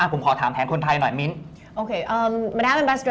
ผมขอถามแทนคนไทยหน่อยมิ้น